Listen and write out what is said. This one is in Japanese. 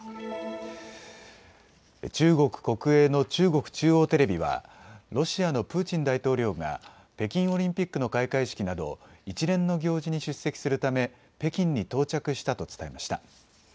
中国国営の中国中央テレビはロシアのプーチン大統領が北京オリンピックの開会式など一連の行事に出席するため北京に到着したと伝えました。